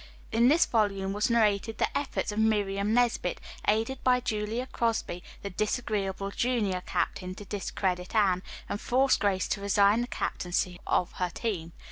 In this volume was narrated the efforts of Miriam Nesbit, aided by Julia Crosby, the disagreeable junior captain, to discredit Anne, and force Grace to resign the captaincy of her team.